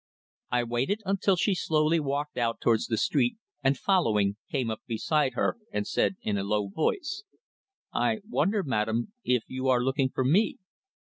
I waited until she slowly walked out towards the street, and following, came up beside her and said in a low voice: "I wonder, madame, if you are looking for me?"